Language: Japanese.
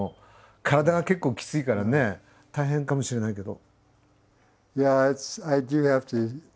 体が結構きついからね大変かもしれないけど。